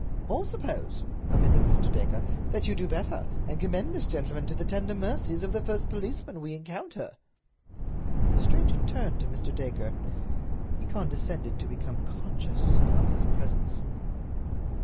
"Or suppose," amended Mr. Dacre, "that you do better, and commend this gentleman to the tender mercies of the first policeman we encounter." The stranger turned to Mr. Dacre. He condescended to become conscious of his presence.